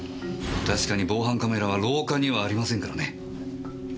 確かに防犯カメラは廊下にはありませんからね。